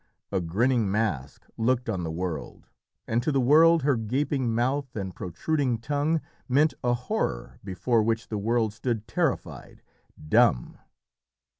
A grinning mask looked on the world, and to the world her gaping mouth and protruding tongue meant a horror before which the world stood terrified, dumb.